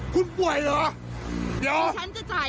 คุณป่วยเหรอคุณสิบหัว